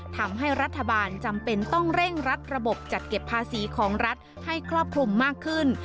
ทำให้รัฐบาลจำเป็นต้องเร่งรัดระบบจัดเก็บภาษีของรัฐให้ครอบคลุมมากขึ้น